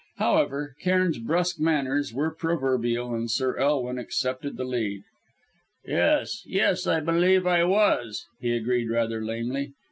However, Cairn's brusque manners were proverbial, and Sir Elwin accepted the lead. "Yes, yes, I believe I was," he agreed, rather lamely.